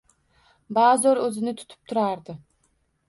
Bazo‘r o‘zini tutib turardi.